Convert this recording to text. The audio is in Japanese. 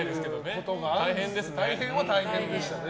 大変は大変でしたね。